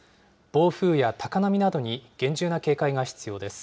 暴風や高波などに厳重な警戒が必要です。